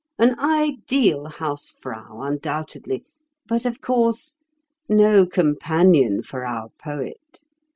An ideal Hausfrau, undoubtedly, but of course no companion for our poet.